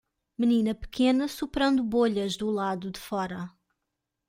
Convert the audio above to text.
Menina pequena soprando bolhas do lado de fora.